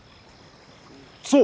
そう！